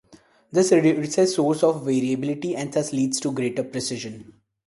This reduces sources of variability and thus leads to greater precision.